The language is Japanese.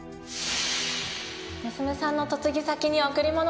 娘さんの嫁ぎ先に贈り物ですか？